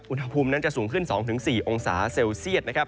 อุณหภูมินั้นจะสูงขึ้น๒๔องศาเซลเซียตนะครับ